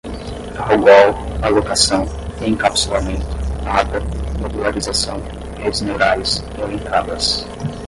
algol, alocação, encapsulamento, ada, modularização, redes neurais, elencadas